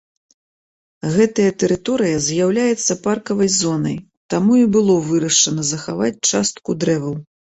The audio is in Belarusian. Гэтая тэрыторыя з'яўляецца паркавай зонай, таму і было вырашана захаваць частку дрэваў.